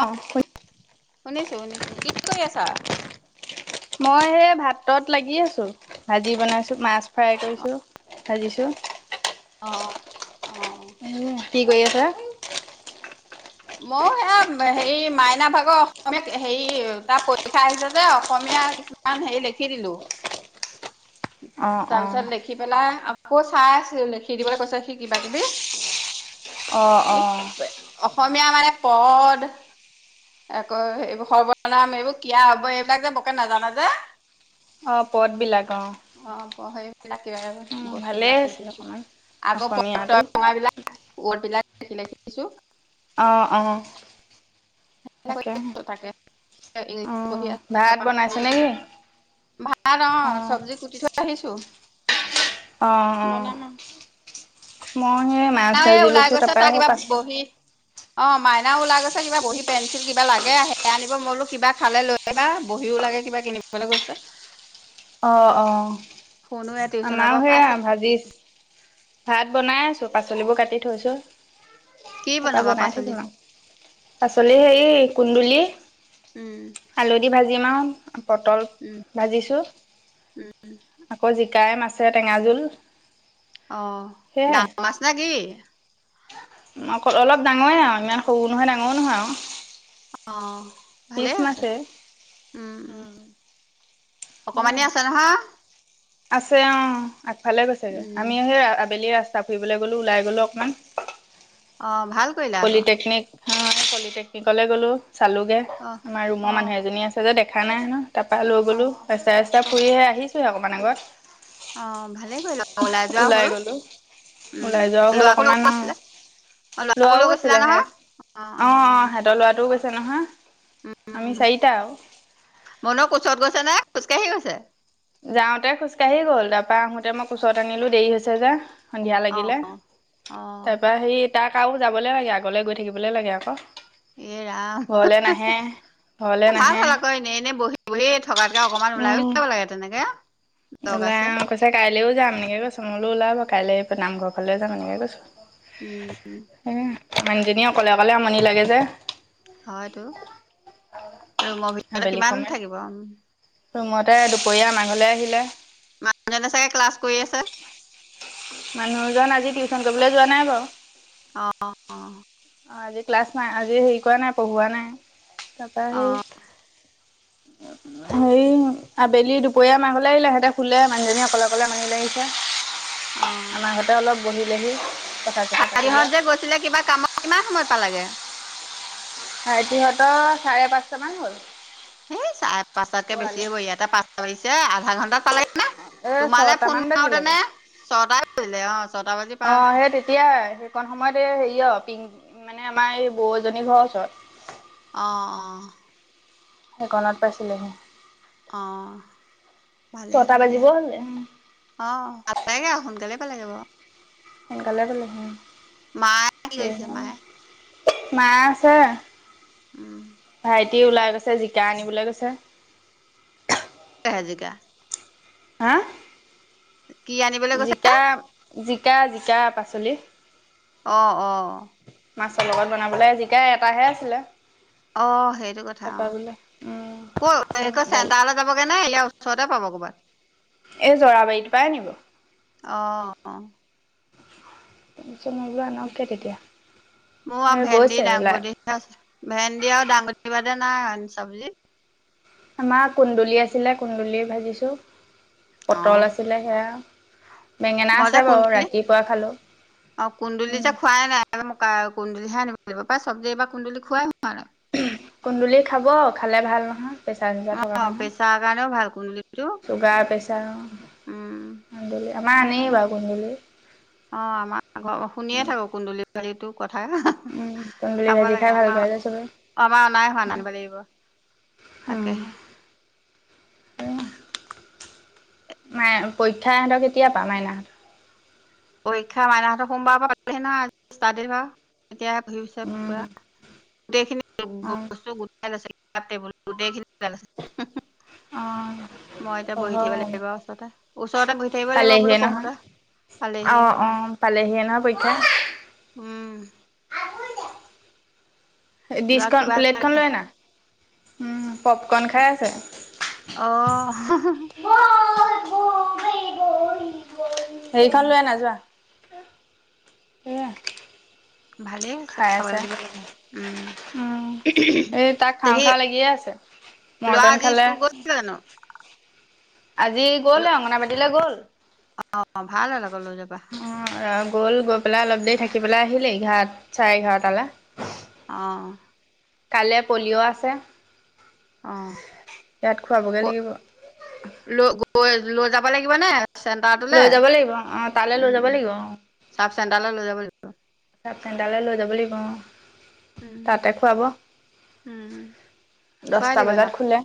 অ হয়। শুনিছো। শুনিছো। কি কৰি আছা? মই সেই ভাতত লাগি আছো। ভাজি বনাইছো। মাছ ফ্ৰাই কৰিছো। ভাজিছো। অহ। অহ। এহ। কি কৰি আছা? ময়ো সেয়া হেৰি, মাইনা ভাগৰ অসমীয়াত, হেৰি তাৰ পৰীক্ষা আহিছে যে অসমীয়া [unintelligible] দুখন হেৰি লিখি দিলো। অ তাৰ পিছত লিখি পেলাই আকৌ চাই আছিলো। লিখি দিবলৈ কৈছে, সি কিবা -কিবি অহ। সেই অহ। অসমীয়া মানে পদ, আকৌ এইবোৰ সৰ্বনাম, এইবোৰ ক্ৰিয়া, অব্যয় এইবিলাক যে ব'কে নাজানে যে অ' পদ বিলাক। অ'হ। অ' অ' প সেইবিলাক, কিবা বস্তু ভালেই বিলাক লিখি আছিল লিখি অকণমান আকৌ অসমীয়াটো পঙবিলাক ওৱদবিলাক লিখি লিখি দিছো। অঁ অঁ তাকে তাকে অ ইংলিছ পঢ়ি আছিলে ভাত তাৰপা বনাইছে নে কি? ভাত অ চব্জি কুটি থৈ আহিছো। অ অ বনাম মই হে - মাই এ ওলাই গৈছে তাৰ কিবা বহি- অ মাইনা ওলাই গৈছে কিবা বহি পেঞ্চিল কিবা লাগে আহে আনিব মলো কিবা খালে লৈ- কিবা বহীও লাগে কিবা কিনিবলৈ গৈছে। অ অ ফোনো এ টিউচনৰ পৰা আমাৰো পাইছে। সেয়া ভাজি- ভাত বনাই আছো পাচলিবোৰ কাটি থৈছো কি তাৰপা বনাবা বনাই পাচলি? থাকিম আৰু। পাচলি হেই কুন্দুলি। উম আলুদি ভাজিম আৰু পটল উম, ভাজিছোঁ আকৌ জিকাই মাছে টেঙা জোল। অ ডাঙৰ মাছ নে কি? অ অলপ ডাঙৰে আৰু ইমান সৰু নহয় ডাঙৰো নহয় আৰু। অ পিছ ভালেই আছে। মাছে উম ওম! সেয়া অকমানেই আছে নহয়? আছে অ, আগফালে গৈছেগে। উম, আমি সেই আবেলি ৰাস্তা ফুৰিবলৈ গ'লো ওলাই গ'লো অকমান। অ ভাল। কৰিলা আকৌ। পলিটেকনিক হা পলিটেকনিকলৈ গ'লো চালোগে। অ', আমাৰ ৰুমৰ অ', মানুহ এজনী আছে। তাহত দেখা নাই হেনো তাৰপৰা লৈ গ'লো অ', ৰাস্তা ৰাস্তা ফুৰি আহে আহিছোহে অকমান আগত। অ ভালে কৰিলা ওলাই যোৱাও হ'ল। উম ওলাই যোৱাও হ'ল লৰাকো লগত অকণমান আছিলে অলপ - লৰাকো লৰাও লৈ গৈছিলা নহয়? অ অ তাৰ লৰাটোও গৈছে নহয়, আমি উম, চাৰিটা আৰু। মনৰ কোচত গৈছে নে খোজকাঢ়ি গৈছে? যাওঁতে খোজকাঢ়িয়ে গল, তাৰপা আহোতে মই ওচৰত আনিলো দেৰি হৈছে যে। সন্ধিয়া অ' লাগিলে। অ' তাৰপৰা সেই- তাক আৰু যাবলে লাগে আগলৈ গৈ থাকিবলৈ লাগে আকৌ। এই ৰাম ঘৰলে নাহে ঘৰলে নাহে। এ এনে বহি বহি থকাতকে অকণমান ওলাইও উম যাব লাগে তেনেকে। দৰকাৰ আছে। ওলাই কৈছে, কাইলৈও যাম এনেকে কৈছো মোলৈ ওলাব কাইলৈ নামঘৰ ফালেও যাম এনেকে কৈছো। উম উম মানুহজনী অকলে অকলে আমনি লাগে যে। হয়টো, ৰুমৰ ভিতৰতে আবেলি কিমান সময়ত থাকিব উম। ৰুমতে দুপৰীয়া আমাৰ ঘৰলে আহিলে। মানুহজনে চাগে ক্লাছ কৰি আছে? মানুহজন আজি টিউচন কৰিবলৈ যোৱা নাই বাৰু। অ অ অ অ আজি ক্লাছ নাই। আজি হেৰি কৰা নাই, পঢ়োৱা নাই। তাৰপা সেই- অ' [inaudible] হেৰি আবেলি দুপৰীয়া আমাৰ ঘৰলে আহিলে সেহঁতে শুলে মানুহজনী অকলে অকলে আমাৰ ঘৰলে আহিছে। আমাৰ ঘৰতে অলপ বহিলেহি। কথা চথা পাতিলে সাঁৰিহঁতে যে গৈছিলে কিবা কামত কিমান সময় পালেগে? ভাইটিহঁতৰ চাৰে পাঁচটামান হ'ল। এই চাৰে পাঁচতাতকে বেছি শুৱালে হব। ইয়াতে পাছ পিছে আধা ঘণ্টাত পালাগে নে? এ তোমালে ফোন ছটামান মাৰোতেনে বাজিলেগে ছয়টা বাজিলে অ ছটা বাজি। অ পাৰ হ'ল সেই তেতিয়াই। অকণ সময়ত এই হেৰি অ পিংক মানে আমাৰ এই বৌজনী ঘৰৰ ওচৰত। অ অ। সেইকণত পাইছিলেহি। অ ভালেই ছটা হ'ল বাজিব দিয়া। হ'লে অ [unintelligible] সোনকালে পালেগে বাৰু সোনকালে মায়ে কি কৰিছে [unintelligible] মায়ে মা আছে? উম ভাইটি ওলাই গৈছে জিকা আনিবলৈ গৈছে। এ জিকা হা। কি আনিবলৈ গৈছে জিকা জিকা জিকা পাচলি। অ অ। মাছৰ লগত বনাবলৈ জিকাই এটাহে আছিলে। অ সেইটো কথা অ। তাৰপৰা বোলে উম ক দালি চেণ্টাৰ যাবগে নাই এতিয়া ওচৰতে পাব কবাত এই জৰাবাৰীত পাই আনিব। অ। [unintelligible] ঠিকে আনকগে তেতিয়া মোৰ আৰু এই ভেন্দি গৈছে ওলাই। দাংবডি ভেন্দি আৰু দাঙবদি বাদে নাই চব্জি। আমাৰ কুন্দুলি আছিলে কুন্দুলি ভাজিছোঁ অ পটল আছিলে সেয়া। বেঙেনা মই যে আছে বাৰু কুন্দুলি ৰাতিপুৱা খালো, উম। ত মোক কুন্দুলিহে আনিব লাগিব পায় চব্জী এইবাৰ কুন্দুলি খোৱাই হোৱা নাই। উম কুন্দুলি খাব খালে ভাল নহয়। প্ৰেছাৰ চুগাৰ থকা অ প্ৰেছাৰ কাৰণেও ভাল কুন্দুলিটো মানুহ চুগাৰ প্ৰে। উম [unintelligible] কুন্দুলি আমাৰ সেইবোৰ আনেই কাৰণে বাৰু ভাল। কুন্দুলি। অ আমাৰ ঘ শুনিয়ে থাকো কুন্দুলি বাৰো সেইটো কথা। উম কুন্দুলি খাব ভাজি খাই লাগে ভাল আমাৰ পাই যে চবে। আমাৰ অনাই হোৱা নাই আনিব লাগিব। উম। তাকেহে নাই পৰীক্ষা ইহঁতৰ কেতিয়া পা মাইনাহতৰ। পৰীক্ষা মাইনাহতৰ সোমবাৰৰ পৰা পাবহি নহয় ষ্টাড পৰা এতিয়া হেৰি হৈছে পি উম। পুৰা। গোটেইখিনি অ', বস্তু গোটাই নাছিল। [unintelligible] ওতে পঢ়ক ওচৰতে বহি থাকিব লাগিব পালেহিয়ে বোলো নহয়। [unintelligible] পালেহি অ উম অ পালেহি না পৰীক্ষা উম ডিছ ল'ৰা খন কিবা প্লেটখন লৈ আনা উম পপকন খাই আছে অ', সেইখন উম, লৈ আনা যোৱা সেইয়া ভালে হৈছে খাবলৈ দিব লাগে উম উম, এই তাক তে খাওঁ সেই খাওঁ লাগিয়ে আছে ল'ৰা মৰ্টন আজি খালে স্কুল গৈছিলে জানো? আজি গ'লে অংগনাবাদিলৈ গ'ল অ', ভাল হ'ল আকৌ লৈ যাবা, অ গ'ল গৈ পেলাই অলপ দেৰি থাকিবলে আহিলেই এঘাৰ চাৰে এঘাৰটালে। অ কাইলৈ পলিঅ' আছে অ। ইয়াত খোৱাবগে লাগিব। ল গৈ লৈ যাব লাগিব নে। চেণ্টাৰটোলে? লৈ যাব লাগিব অ তালে লৈ যাব উম, লাগিব অ। চাব চেন্টাৰলৈ লৈ যাব চাব চেন্টাৰলৈ লৈ যাব লাগিব অ উম, তাতে খুৱাব উম, খুৱাই দছটা দিবা বজাত নাপ খোলে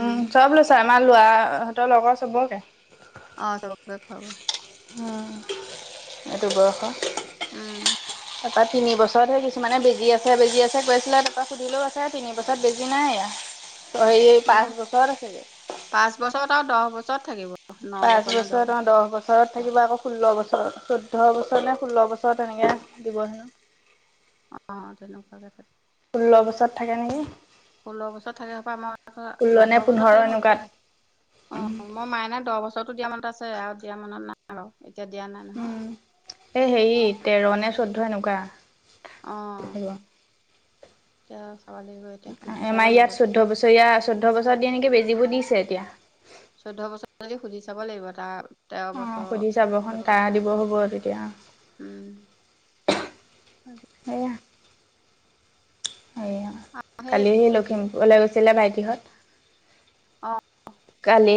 উম চব লৈছে আমাৰ লৰা হঁতৰ লগৰ চবকে অ চবকে খুৱাবো অহ এইটো বয়সৰ উম তপাত তিন বছৰত সেই কিছুমানে বেজি আছে বেজি আছে কৈ আছিলে তা পৰা সুধিলো পাছে তিন বছৰত বেজি নাই [inaudible] সেই না পাঁচ বছৰ আছিলে পাঁচ বছৰত আৰু দছ বছৰত থাকিব পাঁচ বছৰ অ দহ বছৰ বছৰত থাকিব আকৌ ষোল্ল বছৰ চৈধ্য বছৰ নে ষোল্ল বছৰ তেনেকে দিব জেনো অ তেনেকুৱাকে থ ষোল্ল বছৰত থাকে নেকি ষোল্ল বছৰত থাকে হপাই আমাৰ ষোল্ল নে চৈধ্য বছৰত পোন্ধৰ থাকে এনেকুৱাত নহবি অ মই মাইনাক দহ বছৰত দিয়া মনত আছে আৰু দিয়া মনত নাই আৰু এতিয়া দিয়া নাই নহয় এ হেৰি তেৰ নে চৈধ্য এনেকুৱা অ থাকিব। তেতিয়া চাব লাগিব এতিয়া সুধি চাব লাগিব ত'য়া চৈধ্য বছৰত দিয়ে নেকি বেজীবোৰ দিছে এতিয়া চৈধ্য বছৰলৈকে সুধি চাব লাগিব টা অ সুধি চাব সোনকালে দিব হ'ব তেতিয়া উম সেয়া সেই কালি লখিমপুৰলৈ গৈছিলে অ ভাইটিহত কালি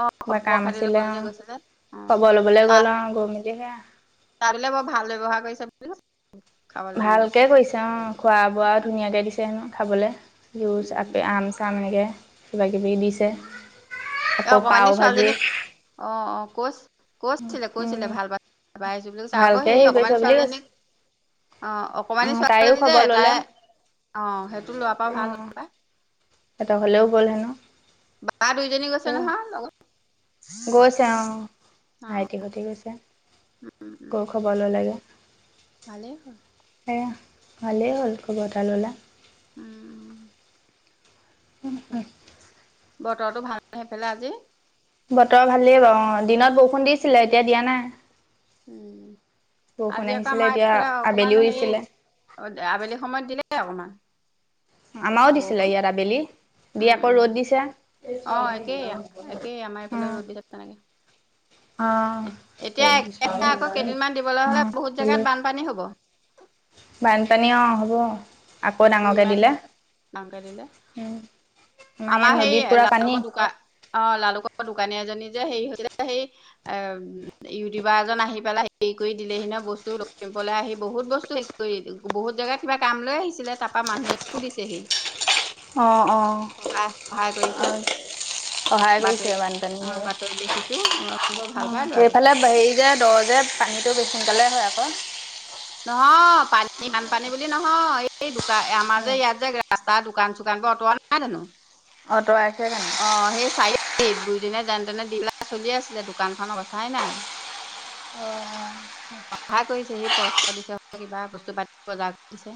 অ খবৰ কাম খাতি আছিলে ল'বলৈ অ যে গৈছিলে অ খবৰ ল'বলৈ গ'ল আৰু গৈ মেলিহে তাৰ বোলে বৰ ভাল ব্যৱহাৰ কৰিছে বুলি কৈছে খাবলৈ মেলি ভালকে দিছে কৰিছে অ খোৱা বোৱা ধুনীয়াকে দিছে হেনো খাবলে উম লৈ আপেল উম আম চাম এনেকে কিবাকিবি দিছে উম এই আকৌ অকমানি পাও ভাজি ছোৱালীজনীক অ অ কছ কৈছিলে কৈছিলে উম ভাল পাই াবাই আহিছো বুলি কৈ চা আকৌ ভালকে সেই হেৰি অকমান কৰিছে বুলি কৈছে ছোৱালীজনীক [unintelligible] অ অ অকমানি তাইও ছোৱালীজনী যে খবৰ তাই ললে অ সেইটো লোৱাৰ পৰা ভাল হ'ল বা। হেতঁৰ ঘৰলৈ গ'ল হেনোঁ। বা দুইজনী গৈছে নহয় লগত। গৈছে অ', অ ভাইটি সৈতে গৈছে, উম উম গৈ খবৰ ললেগে। ভালেই হ'ল। এয়া, ভালেই হ'ল খবৰ এটা ল'লা। উম তাকে, বতৰটো ভাল নে সেইফালে আজি? বতৰ ভালেই বাৰু অ', দিনত বৰষুণ দিছিলে এতিয়া দিয়া নাই। উম, বৰষুণ আজি আকৌ আহিছিলে আমাৰ এতিয়া এইফালে অকমান আবেলিও সেই দিছিলে। অ' আবেলি সময়ত দিলে অকমান। আমাৰও দিছিলে বৰষুণ ইয়াত আবেলি, দি উম আকৌ উম ৰ'দ দিছে। য়া আমাৰ ফালেও ৰদ দিলে। তেনেকে অ', এতিয়া একেৰাহে আকৌ কেইদিনমান দিবলৈ [unintelligible] হ'লে অ' বহুত জেগাত দিলে বানপানী হ'ব বানপানী অ হ'ব আকৌ টো ডাঙৰকে ইমান দিলে ডাঙৰকে দিলে উম আমাৰ সেই লালুকৰ দোকা অ লালুকৰ দোকানী এজনী যে হেৰি হৈছিলে সেই এ ম ইউটিউবাৰ এজন আহি পেলাই হেৰি কৰি দিলেহি নহ বস্তু লখিমপুৰলৈ আহি বহুত বস্তু বহুত জেগা কিবা কাম লৈ আহিছিলে তাৰপা মানুহজনীকো দিছেহি। সহা সহায় কৰিছে। সহায় কৰিছে বাতৰিত, বানপানী অ' সেয়ে বাতৰিত দেখিছো, বৰ ভাল পাই লৰাটো। সেইফালে হেৰি যে, দৰ যে, পানীটো বেছ সোনকালেই হয় আকৌ। নহয়, পানী বানপানী বুলি নহয়, এই দোকা আমাৰ যে ইয়াত যে ৰাস্তা দোকান চোকানবোৰ অতৰোৱা নাই জানো? অতৰাইছে জানো। অঁ' সেই চাৰি-লিত বুঢ়িজনীয়ে যেনেতেনে দি পেলাই চলি আছিলে দোকানখন অৱস্থাই নাই। [inaudible] অ'। সহায় কৰিছে, সি পইচা দিছে, কিবা বস্তু পাতি বজাৰ কৰি দিছে।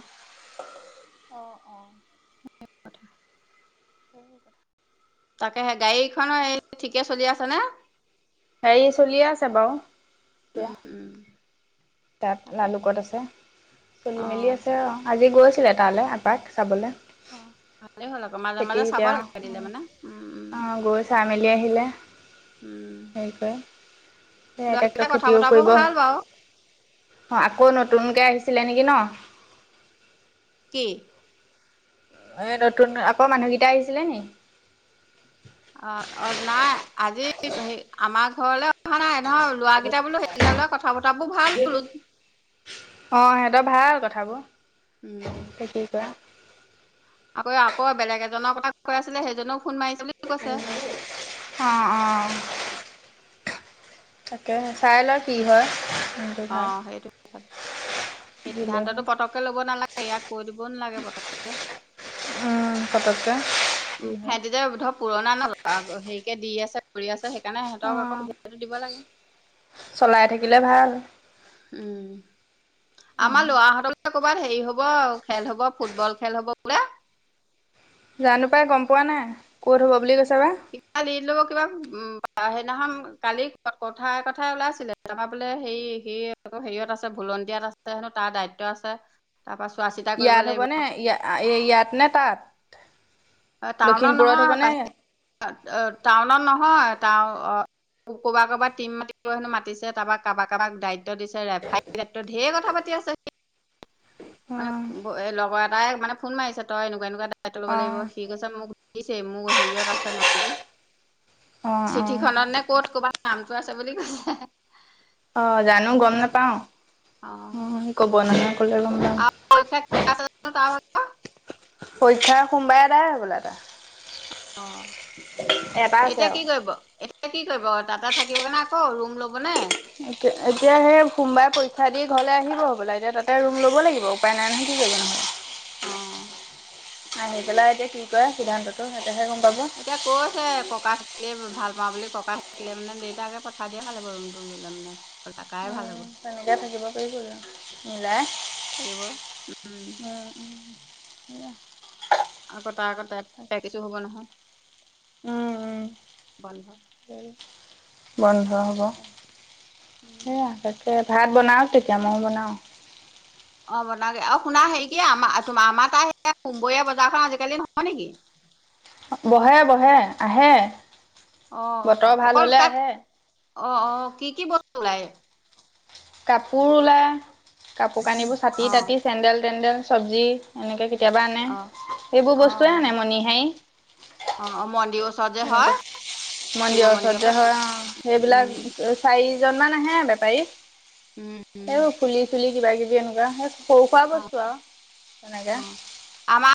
তাকেহে গাড়ীখনৰ এই, ঠিকে চলি আছে নে? গাড়ী চলিয়ে আছে বাউ এতিয়া। উম তাত তাকেহে লালুকত আছে, চলি অ মেলি আছে। অ', আজি গৈছিলে তালে এপাক চাবলে। অ', ভালে হ'ল আকৌ মাজে মাজে চাব লাগে দিলে মানে। উম উম অ' গৈ চাই মেলি আহিলে, উম সেই কৰি। সে ল'ৰাকেইটা এতিয়াতো কথা খেতিও বতৰাবোৰ কৰিব। ভাল বাৰু অ' আকৌ নতুনকে আহিছিলে নেকি ন? কি? এ নতুন, আকৌ মানুহকেইটা আহিছিলে নি? অ', অ' নাই আজি হেৰি আমাৰ ঘৰলে আ অহা নাই, নহয় লৰাকেইটা বোলো সেইকেইটা লৰা কথা বতৰাবোৰ ভাল বোলো। অ' সিহঁতৰ ভাল কথাবোৰ উম তে কি কোৱা আকৌ আকৌ বেলেগ এজনৰ কথা কৈ আছিলে সেইজনেও ফোন মাৰিছে বুলি কৈছে। অঁ' অঁ'। তাকেহে, চাই ল কি হয় উম অ' সেইটো কথাটো। দিলে সিদ্ধান্তটো হয় পতককে ল'ব নালাগে, ইয়াক কৈ দিবও নালাগে পতককে। উম, পতককে। উম হেতি যে ধৰ পুৰণা ন লা, আগ হেৰিকে দি আছে কৰি আছে। সেইকাৰণে অ সিহঁতক আকৌ সুবিধাটো দিব লাগে। চলাই থাকিলে ভাল উম আমাৰ লৰাহতলে কবাত হেৰি হব খেল হব ফুটবল খেল হব বোলে জানো পাই গম পোৱা নাই, ক'ত হ'ব বুলি কৈছে বা। [unintelligible] কিবা উম, সেইদিনাখন কালি কথাই কথাই ওলাইছিলে। [unintelligible] বোলে হে সি আকৌ হেৰিয়ত আছে ভুলণ দিয়াত আছে হেনো তাৰ দায়িত্ব আছে তাৰপা চোৱা চিতা কৰিব লাগিব। এই ইয়াত নে তাত? টাউনত লখিমপুৰত নহয়, হ'বনে ইয়াত? [unintelligible] টাউনত নহয়। [unintelligible] ক-কৰ'বা-কৰবাত টীম মাতি হেন মাতিছে তাৰপা কাৰবাক কাৰবাক দা দিছে, [unintelligible] ক্ষেত্ৰত ঢেৰ কথা পাতি আছে অ', [unintelligible] লগৰ এটাই মানে ফোন মাৰিছে তই এনেকুৱা এনেকুৱা [unintelligible] লব লাগিব, অ', সি কৈছে মোক [unintelligible] মোৰ হেৰিয়ত আছে নামটো, অ', চিঠি অ', খনত নে ক'ত ক'ৰবাত নামটো আছে বুলি কৈছে। অ', জানো গম তেনেকে নাপাও, অ', ক'ব নহয় কলে গম পাম। [unintelligible] তাৰ ভাগৰ পৰীক্ষা সোমবাৰে এদাই হবলা তাৰ, অ এটা আছে এতিয়া আৰু। কি কৰিব এতিয়া কি কৰিব, তাতে থাকিবনে আকৌ ৰুম ল'বনে? এতিয়া সেই সোমবাৰে পৰীক্ষা দি ঘৰলে আহিব হবলা, এতিয়া তাতে ৰুম ল'ব লাগিব। উপাই নাই নহয় কি কৰিব [unintelligible] অ'। আনি পেলাই এতিয়া কি কৰে সিদ্ধান্তটো সেহতেহে গম পাব। এতিয়া কৈছে ককা থাকিলে ভাল পাওঁ বুলি ককা থাকিলে মানে দেউতাকে পঠাই দিয়ে ভাল হ'ব ৰুমটো। [unintelligible] ভাল হ'ব অ', তেনেকে থাকিব পাৰিবই আৰু মিলাই। থাকিব উম অ', এয়া। আকৌ তাৰ আগত [unintelligible] হ'ব নহয়। উম বন্ধ উম। বন্ধ হ'ব। তাকে উম [unintelligible] ভাত বনাওঁক তেতিয়া, ময়ো বনাওঁ। অ', বনাওঁগে আৰু শুনা হেৰি কি আম-আমাৰ তাৰ কুমবৰীয়া বজাৰখন আজিকালি নহয় নেকি? বহে বহে, আহে। অ', বতৰ অ', ভাল অকল হলে তাত, আহে অ', অ', কি কি বস্তু ওলাই? কাপোৰ ওলাই, কাপোৰ কানিবোৰ, অ চাটি-তাটি, চেণ্ডেল-তেন্দেল, চবজি এনেকৈ কেতিয়াবা আনে। অ সেইবোৰ অ বস্তুৱে আনে মনিহাৰী অ', অ', [unintelligible] সেনেকুৱা, মন্দিৰৰ ওচৰত যে হয় অ', উম সেইবিলাক চাৰিজন মান আহে বেপাৰী। উম। উম এই ফুলি চুলি কিবা কিবি এনেকুৱা, সে সৰু সুৰা অ বস্তু আৰু অ তেনেকে। আমাৰ